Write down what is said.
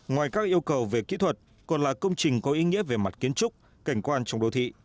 ngoài các yêu cầu về kỹ thuật còn là công trình có ý nghĩa về mặt kiến trúc cảnh quan trong đô thị